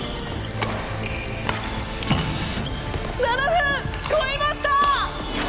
７分超えました！